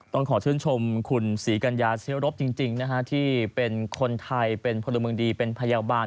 ต้องขอชื่นชมคุณศรีกัญญาเชื้อรบจริงนะฮะที่เป็นคนไทยเป็นพลเมืองดีเป็นพยาบาล